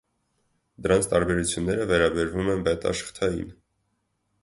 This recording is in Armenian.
Դրանց տարբերությունները վերաբերվում են բետա շղթային։